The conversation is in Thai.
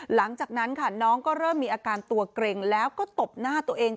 หลังจากนั้นค่ะน้องก็เริ่มมีอาการตัวเกร็งแล้วก็ตบหน้าตัวเอง